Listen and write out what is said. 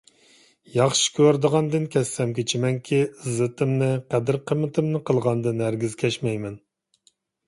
ياخشى كۆرىدىغاندىن كەچسەم كېچىمەنكى، ئىززىتىمنى، قەدىر-قىممىتىمنى قىلغاندىن ھەرگىز كەچمەيمەن.